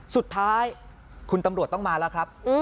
สุดท้ายคุณตำรวจต้องมาแล้วครับ